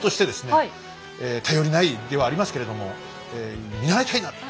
頼りない身ではありますけれども見習いたいなと。